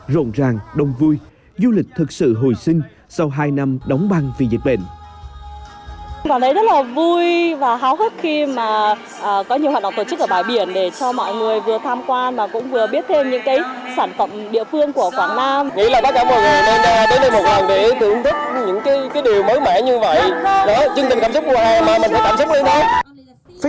rộn ràng đông vui du lịch thực sự hồi sinh sau hai năm đóng băng vì dịch bệnh